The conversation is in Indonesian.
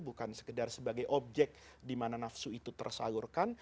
bukan sekedar sebagai objek dimana nafsu itu tersalurkan